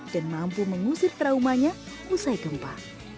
dan mampu mengusir traumanya usai gempa